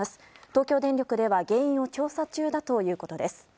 東京電力では原因を調査中だということです。